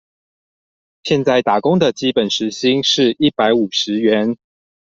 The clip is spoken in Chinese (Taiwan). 現在打工的基本時薪是一百五十元